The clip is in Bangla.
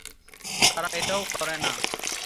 তারা এটাও করে না।